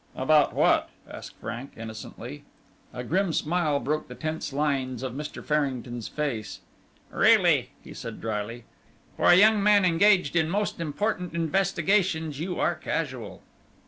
"About what?" asked Frank, innocently. A grim smile broke the tense lines of Mr. Farrington's face. "Really!" he said, drily, "for a young man engaged in most important investigations you are casual."